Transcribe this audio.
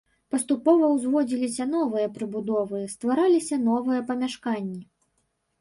Паступова ўзводзіліся новыя прыбудовы, ствараліся новыя памяшканні.